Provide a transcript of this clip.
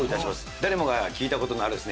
誰もが聴いたことのあるですね